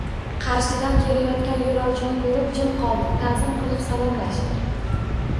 Qarshidan kelayotgan yoʻlovchini koʻrib jim qoldi, taʼzim qilib salomlashdi.